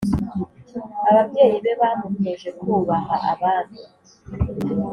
ababyeyi be bamutoje kubaha abandi